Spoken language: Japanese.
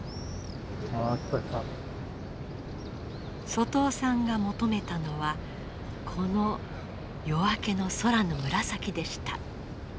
外尾さんが求めたのはこの夜明けの空の紫でした。